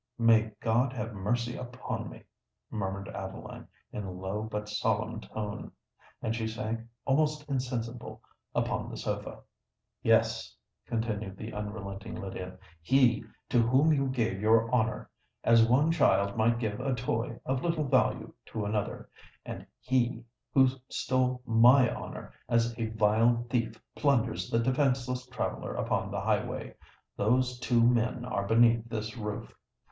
"May God have mercy upon me!" murmured Adeline, in a low but solemn tone. And she sank almost insensible upon the sofa. "Yes," continued the unrelenting Lydia, "he to whom you gave your honour, as one child might give a toy of little value to another—and he who stole my honour as a vile thief plunders the defenceless traveller upon the highway,—those two men are beneath this roof!